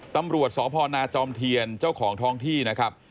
ตำรวจสพนาจอมเทียนเจ้าของท้องที่นะครับ